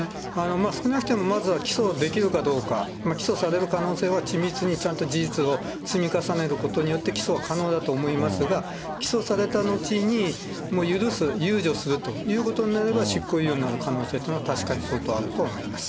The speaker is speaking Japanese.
少なくともまずは起訴できるかどうか、起訴される可能性は緻密にちゃんと事実を積み重ねることによって、起訴は可能だと思いますが、起訴されたのちに、許す、宥恕するということになれば、執行猶予になる可能性というのは確かに相当あると思います。